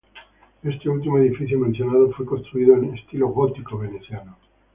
Este último edificio mencionado fue construido en estilo gótico veneciano.